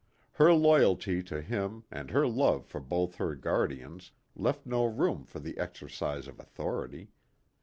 Her loyalty to him and her love for both her guardians left no room for the exercise of authority.